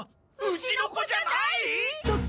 うちの子じゃない！？